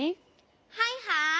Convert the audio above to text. はいはい！